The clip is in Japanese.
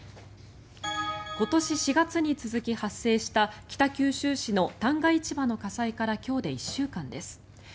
今年４月に続き発生した北九州市の旦過市場の火災から今日で１週間です。